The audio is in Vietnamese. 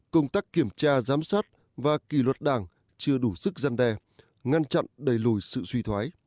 công tác kiểm tra giám sát và kỳ luật đảng chưa đủ sức gian đe ngăn chặn đẩy lùi sự suy thoái